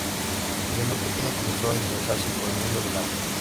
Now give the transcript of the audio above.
Desde muy pequeña comenzó a interesarse por el mundo del arte.